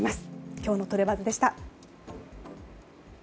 今日のトレバズでした。